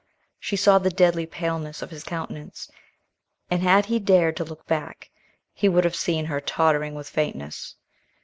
She saw the deadly paleness of his countenance, and had he dared to look back, he would have seen her tottering with faintness.